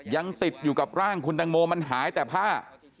ยังติดอยู่กับร่างคุณตังโมมันหายแต่ผ้า